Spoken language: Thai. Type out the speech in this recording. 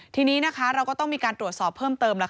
ทีนี้นะคะเราก็ต้องมีการตรวจสอบเพิ่มเติม